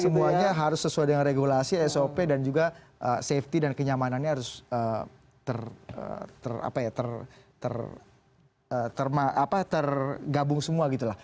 semuanya harus sesuai dengan regulasi sop dan juga safety dan kenyamanannya harus tergabung semua gitu lah